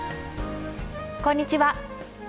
こんにちは。